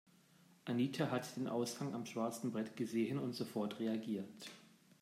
Anita hat den Aushang am schwarzen Brett gesehen und sofort reagiert.